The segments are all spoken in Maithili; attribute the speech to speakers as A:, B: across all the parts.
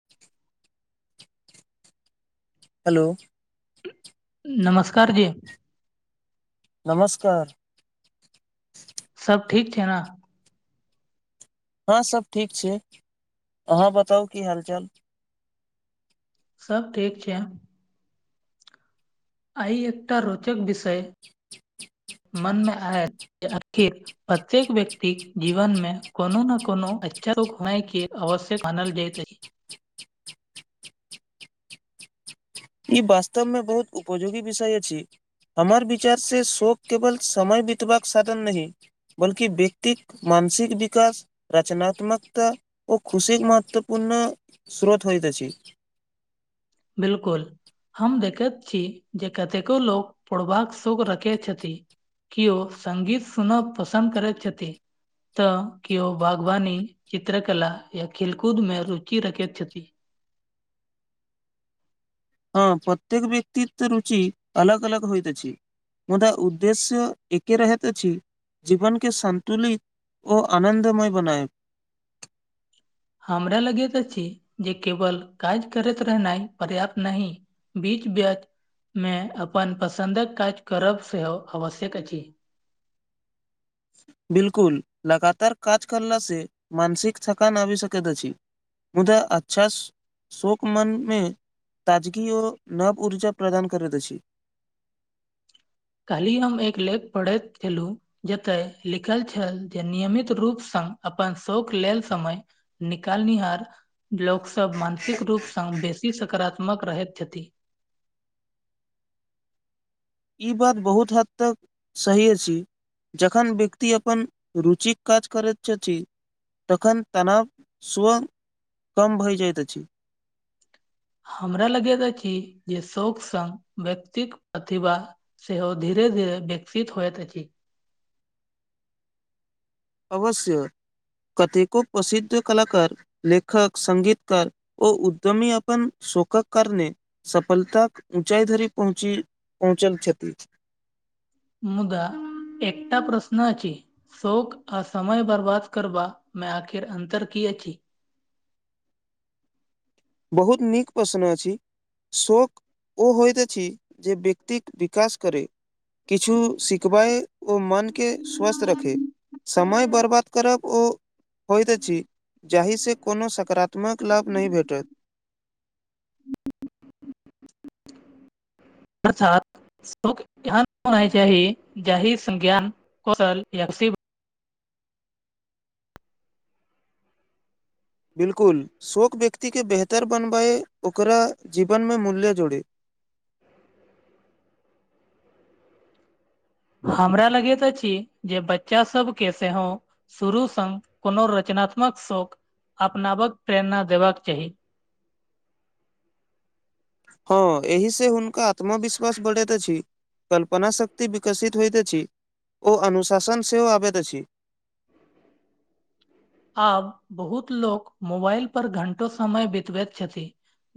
A: [inaudible] हेलो
B: नमस्कार जी
A: नमस्कार
B: सब ठीक छै न।
A: हँ सब ठीक छै अहाँ बताउ की हाल चाल
B: सब ठीक छै। आइ एकटा रोचक विषय मन मे आयल [unintelligible] जे आखिर प्रत्येक व्यक्ति जीवन मे कोनो ने कोनो अच्छा [unintelligible] होय के आवश्यक मानल जाइत अछि।
A: ई वास्तव मे बहुत उपयोगी विषय अछि। हमर विचारसँ शोक केवल समय बितबाक साधन नहि बल्कि व्यक्तिक मानसिक विकास रचनत्मकता ओ खुशीक महत्वपूर्ण स्रोत होइत अछि।
B: बिल्कुल हम देखैत छी जे कतेको लोक पड़बाक शोक रखै छथि। किओ संगीत सुनब पसन्द करैत छथि। तऽ केओ बागवानी चित्रकला या खेलकूद मे रुचि रखैत छथि।
A: हँ प्रत्येक व्यक्तित रुचि अलग अलग होइत अछि। मुदा उद्देश्य एके रहैत अछि जीवन के सन्तुलित ओ आनन्दमय बनाएब।
B: हमरा लगैत अछि जे केवल काज करैत रहनाइ पर्याप्त नहि। बीच बच मे अपन पसन्दक काज करब सेहो आवश्यक अछि।
A: बिल्कुल लगातार काज करलासँ मानसिक थकान आबि सकैत अछि। मुदा अच्छास शोक मनमे ताजगी ओ नव ऊर्जा प्रदान करैत अछि।
B: काल्हि हम एक लेख पढ़ैत छेलु। जतय लिखल छेल जे नियमित रूप सँ अपन शोक लेल समय निकालनिहार लोक सब मानसिक रूपसँ बेसी सकारात्मक रहैत छथि।
A: ई बात बहुत हद तक सहि अछि। जखन व्यक्ति अपन रुचिक काज करैत छथि। तखन तनाव स्व कम भइ जाइत अछि।
B: हमरा लगैत अछि जे सौक सङ्ग व्यक्तिक प्रतिभा सेहो धीरे धीरे विकसित होइत अछि।
A: अवश्य कतेको प्रसिद्ध कलाकार लेखक संगीतकार ओ उद्यमी अपन सोखक करने सफलताक ऊँचाई धरि पहुँची पहुँचल छथि।
B: मुदा एकटा प्रश्न अछि। शौक आ समय बर्बाद करबामे आखिर अन्तर की अछि।
A: बहुत नीक पसन अछि। शौक ओ होइत अछि जे व्यक्तिक विकास करै। किछु सिखबै। ओ मनके स्वस्थ रखै समय बर्बाद करब ओ होइत अछि जाहिसँ कोनो सकारात्मक लाभ नहि भेटत।
B: अर्थात सुख यहाँ [unintelligible] होना चाही जाहि संज्ञान कौशल यसिब [unintelligible]
A: बिल्कुल शोक व्यक्ति के बेहतर बनबए ओकरा जीवन मे मूल्य जोड़े।
B: हमरा लगैत अछि जे बच्चा सब के सेहो। शुरू सँ कोनो रचनात्मक शोक अपनावक प्रेरणा देबाक चाही।
A: हँ एहि से हुनका आत्मविश्वास बढ़ैत अछि। कल्पना शक्ति विकसित होइत अछि ओ अनुशासन सेहो आबैत अछि।
B: आब बहुत लोक मोबाइल पर घंटो समय बितबैत छथि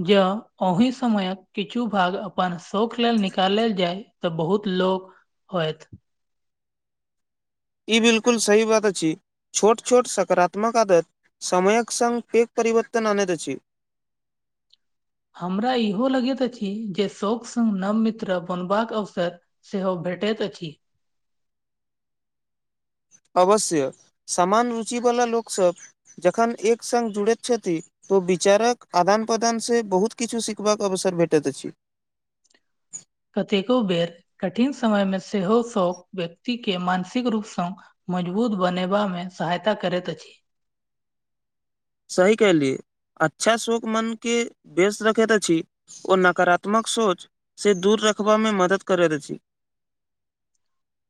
B: जँ ओहि समयक किछु भाग अपन शौक लेल निकालल जाय तऽ बहुत लोक होइथ
A: ई बिलकुल सही बात अछि छोट छोट सकारात्मक आदत समयक संग पेग परिवर्तन अनति अछि
B: हमरा इहो लगैत अछि जे शौक सङ्ग नव मित्र बनबाक अवसर से हो भेटति अछि
A: अवश्य समान रुचिवला लोक सब जखन एक सङ् जुड़ैत छथि तो विचारक आदान प्रदानसे बहुत किछो सीखबाक अवसर भेटैत अछि
B: कतेको बेर कठिन समय मे सेहो सब व्यक्ति के मानसिक रूपसँ मजबूत बनेबा मे सहायता करैत अछि
A: सही केहलियै अच्छा शोक मनके व्यस्त रखैत अछि ओ नकारात्मक सोच से दूर रखबा मे मदद करैत अछि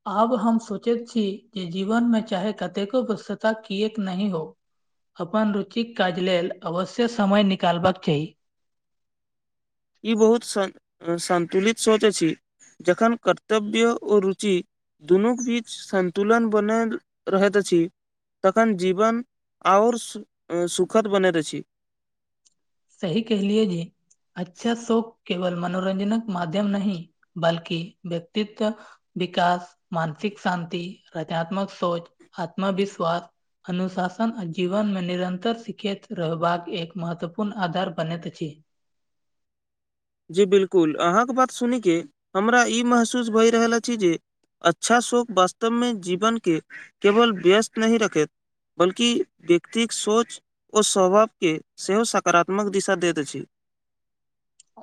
B: आब हम सोचैत छी जे जीवनमे चाहे कतेको वसता किएक नहि हो अपन रुचिक काज लेल अवश्य समय निकालबाक चाही
A: ई बहुत सं संन्तुलित सोच अछि जखन कर्तव्य ओ रुचि दुनूक बीच सन्तुलन बनल रहैत अछि तखन जीवन आओर सु सुखद बनैत अछि
B: सही कहलियए जी अच्छा शौक केवल मनोरञ्जनक माध्यम नहि बल्कि व्यक्तित्व विकास मानसिक शान्ति रचनात्मक सोच आत्मविश्वास अनुशासन आ जीवन मे निरंतर सिखैत रहबाक एक महत्व न आधार बनैत अछि
A: जी बिलकुल अहाँके बात सुनि के हमरा ई महसूस भए रहल अछि जे अच्छा शोक वास्तवमे जीवन के केवल व्यस्त नहि रखैत बल्कि व्यक्तिक सोच ओ स्वभावके सेहो सकारात्मक दिशा देत अछि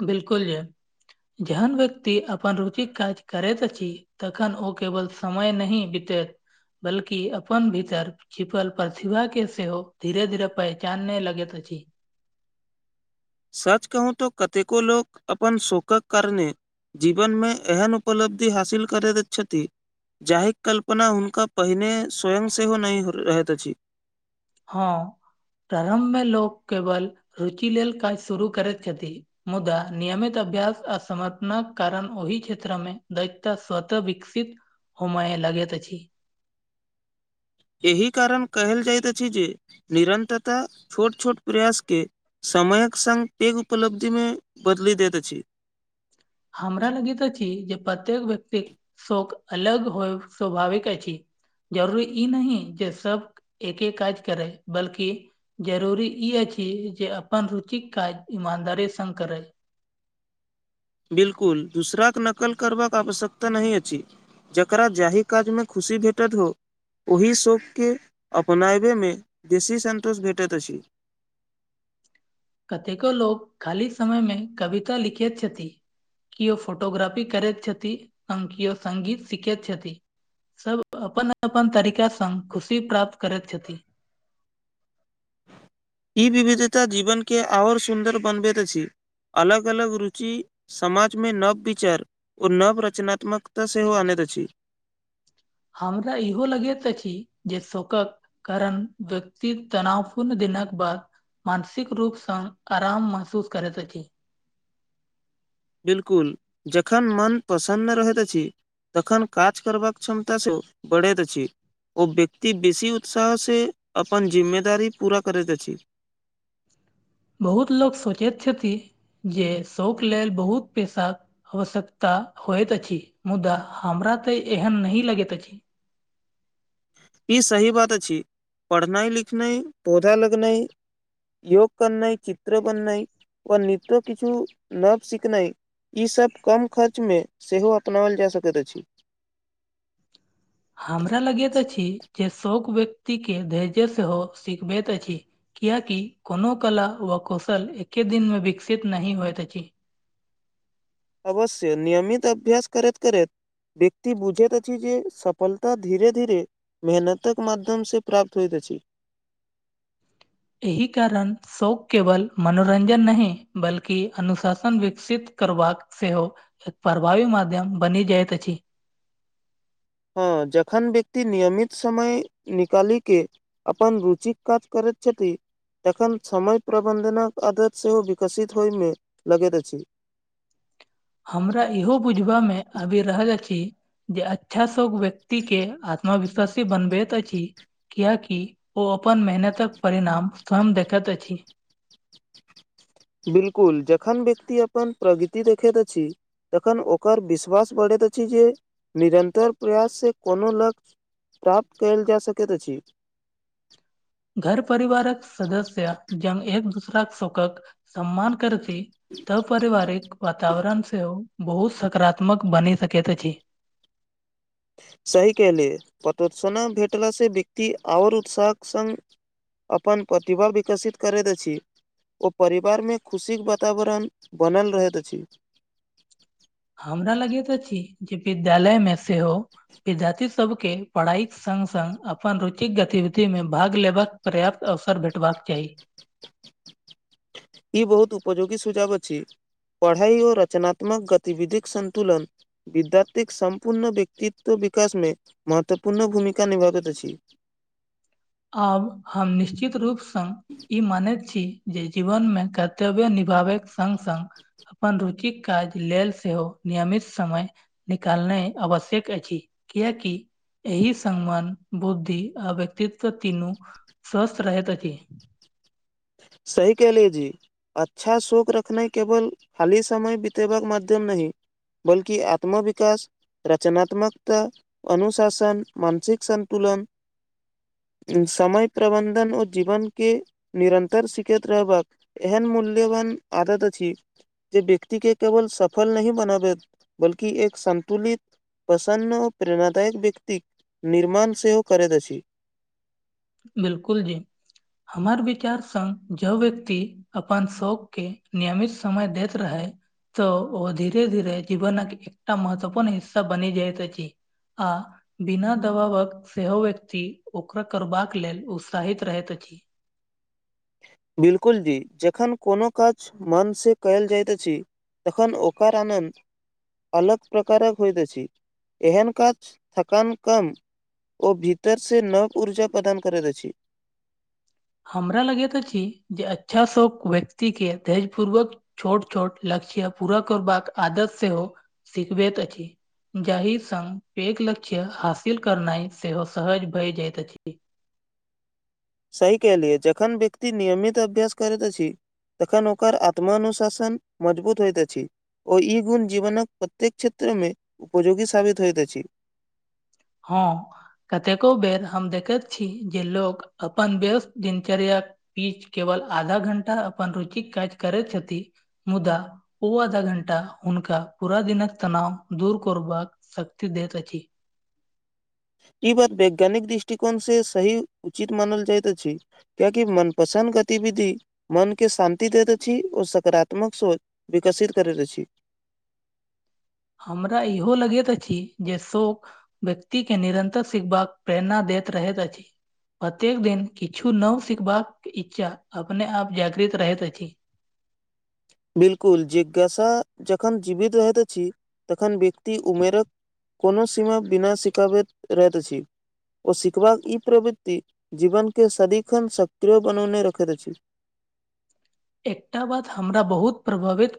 B: बिलकुल जे जेहन व्यक्ति अपन रुचिक काज करैत अछि तखन ओ केवल समय नही बितैत बल्कि अपन भीतर छिपल प्रतिभा के सेहो धीरे धीरे पहचान नहि लगैत अछि
A: सच कहू तो कतेको लोक अपन शोकक करने जीवन मे एहन उपलब्धि हासिल करैत छथि। जाहि कल्पना हुनका पहिने स्वयं सेहो नहि रहैत अछि।
B: हँ प्रारम्भ मे लोक केवल रुचि लेल काज शुरू करैत छथि। मुदा नियमित अभ्यास आ समर्थना कारण ओहि क्षेत्र मे दायित्त स्वत विकसित हूमए लगैत अछि
A: एहि कारण केहल जाइत अछि जे निरन्तता छोट छोट प्रयास के समयक सङ्ग पेघ उपलब्धि मे बदलि देत अछि।
B: हमरा लगैत अछि जे प्रत्येक व्यक्तिक शोक अलग होइ स्वभाविक अछि जरूरी ई नहि जे सब एके काज करै बल्कि जरुरी ई अछि जे अपन रुचिक काज ईमानदारी सङ्ग करैय
A: बिलकुल दूसराके नकल करबाक आवश्यकता नहि अछि। जकरा जाहि काजमे खुशी भेटत हो। ओहि शोककेँ अपनाबैमे बेसी सन्तोष भेटैत अछि।
B: कतेको लोक खाली समयमे कविता लिखैत छथि। किओ फोटोग्राफी करैत छथि केओ संगङ्गीत सीखैत छथि। सब अपन अपन तरीका संग खुशी प्राप्त करैत छथि।
A: ई विविधता जीवनके आओर सुन्दर बनबैत अछि। अलग अलग रुचि समाजमे नव विचर ओ नव रचनात्मकता सेहो आनैत अछि।
B: हमरा इहो लगैत अछि। जे शोकक करण व्यक्ति तनापूर्ण दिनक बा मानसिक रूपसँ आराम महसूस करैत अछि।
A: बिलकुल जखन मन प्रसन्न रहैत अछि। तखन काज करबाक क्षमता सेहो बढ़ैत अछि। ओ व्यक्ति बेसी उत्साहसे अपन जिम्मेदारी पूरा करैत अछि।
B: बहुत लोक सोचैत छथि। जे शोक लेल बहुत पेशा होश्यकता होइत अछि। मुदा हमरा तऽ एहन नहि लगैत अछि।
A: ई सही बात अछि। पढ़नाइ लिखनाइ पौधा लगनाइ योग करनाइ चित्र बननाइ व नित्य किछु नव सीखनाइ। ईसभ कम खर्चमे सेहो अपनाओल जा सकैत अछि।
B: हमरा लगैत अछि। जे शोक व्यक्ति के धैर्य सेहो सिखबैत अछि। कियाकि कोनो कला व कौशल एके दिन मे विकसित नहि होइत अछि।
A: अवश्य नियमित अभ्यास करैत करैत व्यक्ति बुझैत अछि जे सफलता धीरे धीरे मेहनतक माध्यम से प्राप्त होइत अछि।
B: एहि कारण शोक केवल मनोरंजन नहि बल्कि अनुशासन विकसित करबाक सेहो एक परभावी माध्यम बनी रहति अछि
A: हँ जखन व्यक्ति नियमित समय निकाली के अपन रुचिक काज करैत छथि। एखन समय प्रबन्धनक आदत सेहो विकसित होइमे लगैत अछि।
B: हमरा इहो बुझबा मे आबि रहल अछि। जे अच्छा सब व्यक्ति के आत्मविश्वासी बनबैत अछि। कियाकि ओ अपन मेहनतक परिणाम स्वयं देखैत अछि।
A: बिलकुल जखन व्यक्ति अपन प्रगति देखैत अछि। तखन ओकर विश्वास बढ़ैत अछि जे निरन्तर प्रयास से कोनो लक्ष्य प्राप्त कयल जा सकैत अछि।
B: [inaudible] घर परिवारक सदस्य एक दूसराक शखक सम्मान करै त पारिवारिक वातावरण सेहो बहुत सकारात्मक बनि सकैत अछि
A: सही केहली पतोतसना भेटला से व्यक्ति आओर उत्साहक संग अपन प्रतिभा विकसित करैत छी ओ परिवार मे खुशीक वातावरण बनल रहैत अछि
B: हमरा लगेत अछि जे विद्यालय मे सेहो विद्यार्थी सबके पढ़ाइक सङ्ग सङ्ग अपन रुचिक गतिविधिमे भाग लेबाक पर्याप्त अवसर भेटबाक चाही
A: ई बहुत उपयोगी सुझाव अछि पढ़ाइ ओ रचनात्मक गतिविधिक सन्तुलन विद्यार्थीक सम्पूर्ण व्यक्तित्व विकासमे महत्वपूर्ण भूमिका निभाबैत अछि।
B: आब हम निश्चित रूपसँ ई मानैत छी जे जीवन मे कर्तव्य निभाबैके सङ्ग सङ्ग अपन रुचिक काज लेल सेहो नियमित समय निकालनाइ आवश्यक अछि किएकि एहि सम्मान बुद्धि आ व्यक्तित्व तीनू सस्त रहैत अछि।
A: सही कहलिय जी अच्छा शोक रखनाइ केवल खाली समय बितेबाक माध्यम नहि। बल्कि आत्म विकास रचनात्मकता अनुशासन मानसिक सन्तुलन समय प्रबन्धन ओ जीवन के निरन्तर र सिखैत रहबाक एहन मूल्यवान आदत अछि। जे व्यक्ति के केवल सफल नहि बनाबैत बल्कि एक संन्तुलित प्रसन्न ओ प्रेरणादायक व्यक्तिक निर्माण सेहो करैत अछि।
B: बिलकुल जी हमर विचार संघ जँ व्यक्ति अपन शौक के नियमित समय देैत रहै तऽ ओ धीरे धीरे जीवनक एकटा महत्वपूर्ण हिस्सा बनी जाइत अछि। आ बिना दबावक सेहो व्यक्ति ओकरा करबाक। लेल उत्साहित रहैत अछि।
A: बिलकुल जी जेखन कोनो काज मन सँ कयल जाइत अछि तखन ओकर आनन्द अलग प्रकारक होइत अछि एहन काज थकान कम ओ भीतर से नव ऊर्जा प्रदान करैत अछि।
B: हमरा लगैत अछि जे अच्छाँ व्यक्तिके धेर्जपूर्वक छोट छोट ल्क्ष्य पूरा करबाक आदत सेहो शिखबैत अछि। जाहि सङ्ग लक्ष्य हासिल करनाइ सेहो सहज भए जाइत अछि।
A: सही कहलियै जखन व्यक्ति नियमित अभ्यास करैत अछि तहन ओकर आत्मनुशासन मजबूत होइत छै। ओ ई गुण जीवनक प्रत्येक क्षेत्र मे उपयोगी साबित होइत अछि।
B: हँ कतेको बेर हम देखैत छी जे लोकोग अपन व्यस्त दिनचर्या पीच केवल आधा घंटा अपन रुचिक काज करैत छथि मुदा ओ आधा घण्टा हुनका पूरा दिनक तनाव दूर करबाक शक्ति दैत अछि।
A: ई बात वैज्ञानिक दृष्टिकोण से सही उचित मानल जाइत अछि। कियाकि मनपसन्द गतिविधि मनके शान्ति दैत छी आर सकारात्मक सोच विकसित करैत अछि।
B: हमरा इहो लगैत अछि जे शौख। व्यक्ति के निरन्तर सिखबाक प्रेरणा दैत रहैत अछि। प्रत्येक दिन किछु नव सिखबाक इच्छा अपने आप जागृत रहैत अछि।
A: बिल्कुल जिज्ञासा जहन जीवित रहत छी तहन व्यक्ति उमेरक कोनो सीमा बिना सिखाबैत रहैत अछि। ओ सिखबाक ई प्रवृत्ति जीवनके सदिखन सक्रिय बनौने रखैत अछि।
B: एकटा बात हमरा बहुत प्रभावित कर